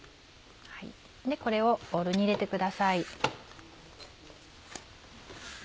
これをボウルに入れてください。